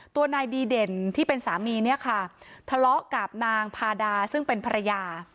ตัวนายดีเด่นที่เป็นสามีเนี่ยค่ะทะเลาะกับนางพาดาซึ่งเป็นภรรยา